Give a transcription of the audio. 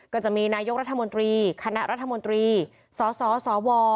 ก็จะมีนายกรัฐมนตรีคณะรัฐมนตรีสสว